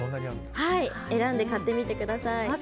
選んで買ってみてください。